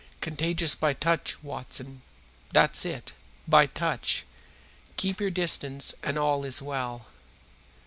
"Contagious by touch, Watson that's it, by touch. Keep your distance and all is well."